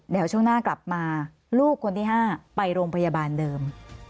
เดี๋ยวช่วงหน้ากลับมาลูกคนที่๕ไปโรงพยาบาลเดิม